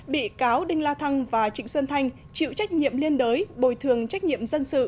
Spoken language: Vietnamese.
bị cáo đinh la thăng và trịnh xuân thanh chịu trách nhiệm liên đới bồi thường trách nhiệm dân sự